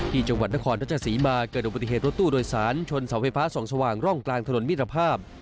จังหวัดนครราชสีมาเกิดอุบัติเหตุรถตู้โดยสารชนเสาไฟฟ้าส่องสว่างร่องกลางถนนมิตรภาพ